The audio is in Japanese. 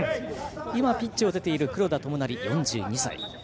今、ピッチを出ている黒田智成は４２歳。